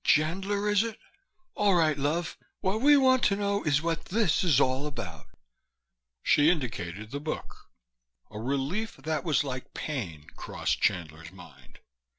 "Chandler, is it? All right, love, what we want to know is what this is all about." She indicated the book. A relief that was like pain crossed Chandler's mind.